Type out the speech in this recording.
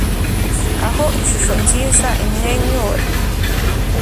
Aho ishusho nziza imwenyura